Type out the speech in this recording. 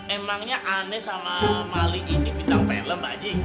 emangnya aneh sama malik ini bintang pelem pak haji